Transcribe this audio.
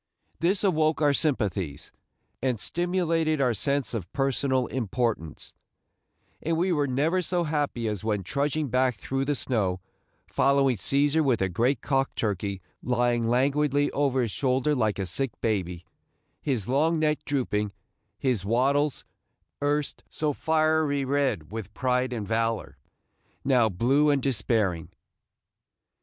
This awoke our sympathies, and stimulated our sense of personal importance, and we were never so happy as when trudging back through the snow, following Cæsar with a great cock turkey lying languidly over his shoulder like a sick baby, his long neck drooping, his wattles, erst so fiery red with pride and valor, now blue and despairing.